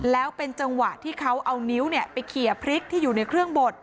แล้วเป็นจังหวะที่เขาเอานิ้วไปเขียพริกที่อยู่ในเครื่องบด